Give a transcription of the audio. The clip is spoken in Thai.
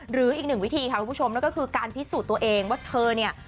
หรืออีกหนึ่งวิธีค่ะคุณผู้ชมนั่นก็คือการพิสูจน์ตัวเองว่าเธอเนี่ย